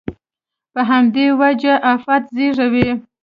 په همدې وجه افت زېږوي.